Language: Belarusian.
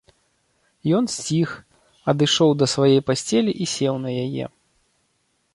Ён сціх, адышоў да сваёй пасцелі і сеў на яе.